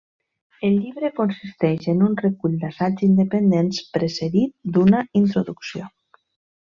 El llibre consisteix en un recull d’assaigs independents, precedit d’una introducció.